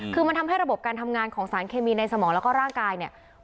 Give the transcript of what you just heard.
คือมันทำให้ระบบการทำงานของสารเคมีในสมองแล้วก็ร่างกายเนี่ย